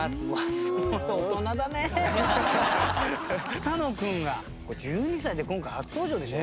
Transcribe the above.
北野君が１２歳で今回初登場でしょ？